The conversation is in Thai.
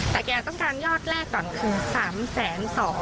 แต่แกต้องการยอดแรกก่อนคือ๓๒๐๐